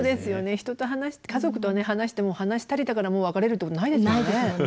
人と家族と話しても話し足りたからもう別れるってことないですもんね。